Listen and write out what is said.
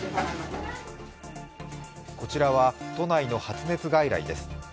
こちらは都内の発熱外来です。